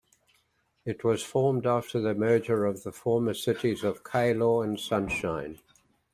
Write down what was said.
It was formed after the merger of the former Cities of Keilor and Sunshine.